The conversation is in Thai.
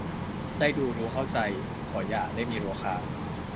ได้ดูรู้เข้าใจ ขออย่าได้มีโรคา